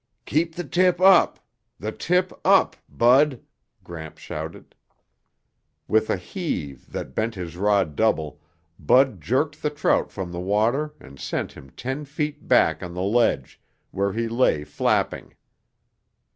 "Keep the tip up! The tip up, Bud!" Gramps shouted. With a heave that bent his rod double, Bud jerked the trout from the water and sent him ten feet back on the ledge, where he lay flapping.